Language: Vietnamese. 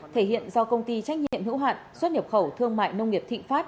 thể hiện do công ty trách nhiệm hữu hạn xuất nhập khẩu thương mại nông nghiệp thịnh pháp